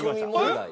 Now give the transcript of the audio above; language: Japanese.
はい。